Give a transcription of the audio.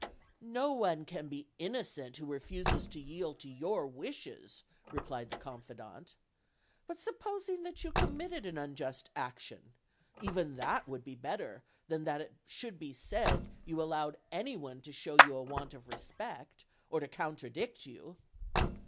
"No one can be innocent who refuses to yield to your \rishes," replied the confidant: "but supposing that you committed an unjust action, even that would be better than that it should be said you allowed any one to show you a want of respect, or to contradict you."